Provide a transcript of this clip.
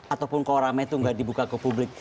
ataupun kalau rame itu nggak dibuka ke publik